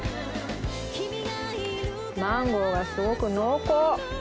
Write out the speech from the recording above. マンゴーがすごく濃厚！